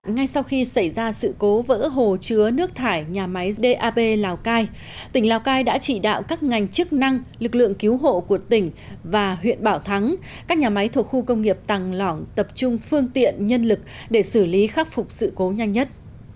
ngay sau khi xảy ra sự cố vỡ hồ chứa nước thải nhà máy dap lào cai tỉnh lào cai đã chỉ đạo các ngành chức năng lực lượng cứu hộ của tỉnh và huyện bảo thắng các nhà máy thuộc khu công nghiệp tàng lỏng tập trung phương tiện nhân lực để xử lý khắc phục sự cố nhanh nhất